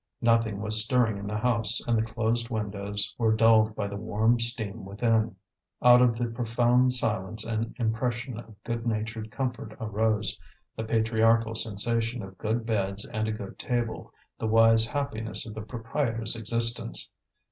Nothing was stirring in the house, and the closed windows were dulled by the warm steam within. Out of the profound silence an impression of good natured comfort arose, the patriarchal sensation of good beds and a good table, the wise happiness of the proprietor's existence.